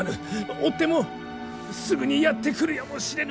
追っ手もすぐにやって来るやもしれぬ。